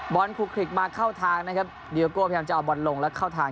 คลุกคลิกมาเข้าทางนะครับดีโอโก้พยายามจะเอาบอลลงแล้วเข้าทาง